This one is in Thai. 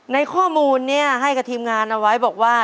ในข้อมูลนี้ให้กับทีมงานเอาไว้บอกว่า